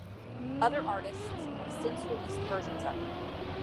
Other artists have since released versions of it.